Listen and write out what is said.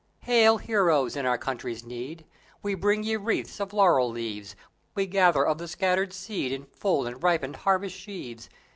Hail heroes in our country's need! We bring ye wreathes of laurel leaves; We gather of the scattered seed In full and ripened harvest sheaves.